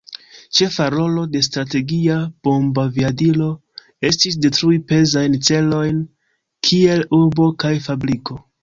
Ĉefa rolo de Strategia bombaviadilo estis detrui pezajn celojn kiel urbo kaj fabriko.